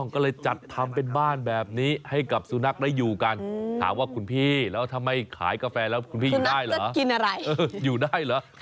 ก็เลยจัดทำเป็นบ้านแบบนี้ให้กับสุนัขได้อยู่กันถามว่าคุณพี่แล้วถ้าไม่ขายกาแฟแล้วคุณพี่อยู่ได้เหรอกินอะไรอยู่ได้เหรอ